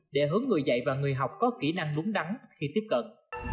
để hướng người dạy và người học có kỹ năng đúng đắn khi tiếp cận